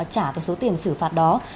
trả cái số tiền xử phạt đó